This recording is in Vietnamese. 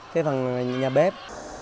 cái phần nhà bếp